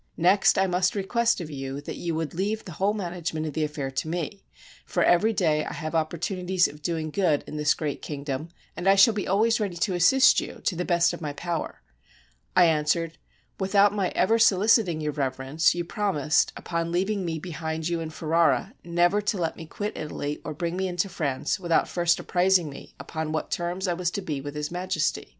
Next I must request of you that you would leave the whole management of the affair to me, for every day I have opportunities of doing good in this great kingdom, and I shall be always ready to assist you to the best of my power." I answered, "Without my ever soHciting Your Reverence, you promised, upon leaving me behind you in Ferrara, never to let me quit Italy or bring me into France without first apprising me upon what terms I was to be with His Majesty.